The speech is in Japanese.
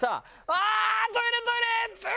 「ああー！トイレトイレ！」。